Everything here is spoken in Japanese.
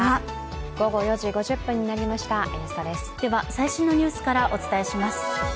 最新のニュースからお伝えします。